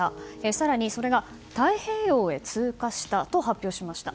更にそれが太平洋へ通過したと発表しました。